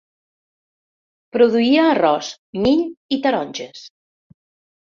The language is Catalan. Produïa arròs, mill i taronges.